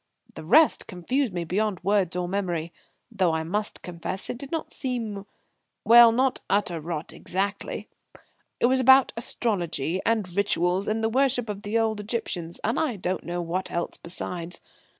The rest confused me beyond words or memory; though I must confess it did not seem well, not utter rot exactly. It was about astrology and rituals and the worship of the old Egyptians, and I don't know what else besides.